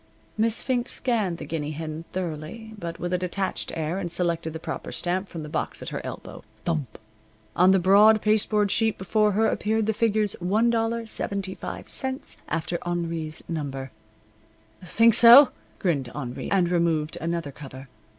Miss Fink scanned the guinea hen thoroughly, but with a detached air, and selected the proper stamp from the box at her elbow. Thump! On the broad pasteboard sheet before her appeared the figures $1.75 after Henri's number. "Think so?" grinned Henri, and removed another cover.